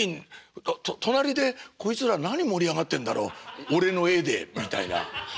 「隣でこいつら何盛り上がってんだろう俺の絵で」みたいな。